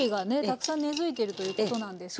たくさん根づいているということなんですけど。